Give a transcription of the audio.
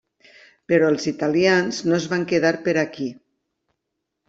Però els italians no es van quedar per aquí.